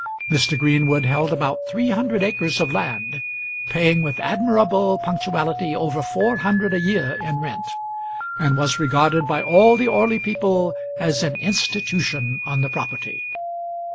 Mr. Greenwood held about three hundred acres of land, paying with admirable punctuality over four hundred a year in rent, and was regarded by all the Orley people as an institution on the property.